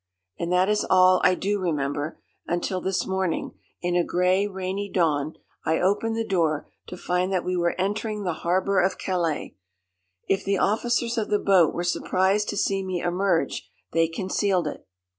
And that is all I do remember, until this morning in a grey, rainy dawn I opened the door to find that we were entering the harbour of Calais. If the officers of the boat were surprised to see me emerge they concealed it.